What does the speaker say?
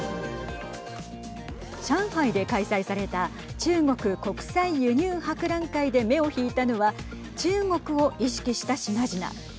上海で開催された中国国際輸入博覧会で目を引いたのは中国を意識した品々。